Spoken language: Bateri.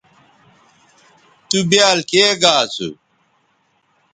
تُو بیال کے گا اسُو